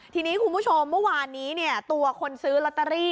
ทีนี้คุณผู้ชมเมื่อวานนี้เนี่ยตัวคนซื้อลอตเตอรี่